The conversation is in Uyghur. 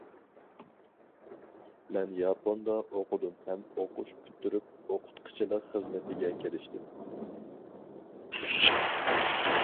مەن ياپوندا ئوقۇدۇم ھەم ئوقۇش پۈتتۈرۈپ ئوقۇتقۇچىلىق خىزمىتىگە كىرىشتىم.